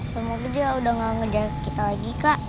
semoga dia udah gak ngejar kita lagi kak